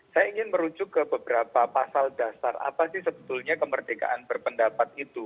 saya ingin merujuk ke beberapa pasal dasar apa sih sebetulnya kemerdekaan berpendapat itu